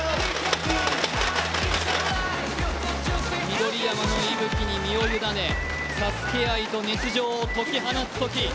緑山の息吹に身を委ね、ＳＡＳＵＫＥ愛と熱情を解き放つとき。